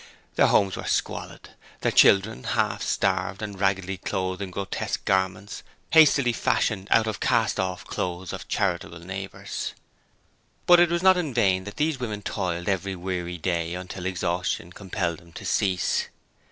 Their homes were squalid, their children half starved and raggedly clothed in grotesque garments hastily fashioned out of the cast off clothes of charitable neighbours. But it was not in vain that these women toiled every weary day until exhaustion compelled them to cease.